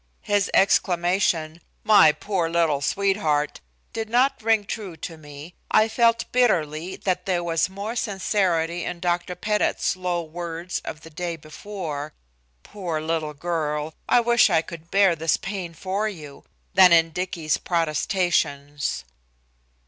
His exclamation, "My poor little sweetheart!" did not ring true to me. I felt bitterly that there was more sincerity in Dr. Pettit's low words of the day before: "Poor little girl, I wish I could bear this pain for you!" than in Dicky's protestations.